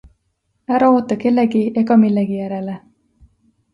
Ära oota kellegi ega millegi järele.